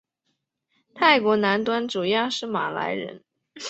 泰国南端主要是马来人。